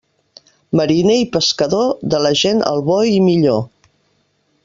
Mariner i pescador, de la gent el bo i millor.